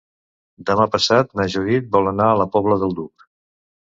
Demà passat na Judit vol anar a la Pobla del Duc.